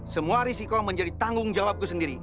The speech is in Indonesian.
semua risiko menjadi tanggung jawabku sendiri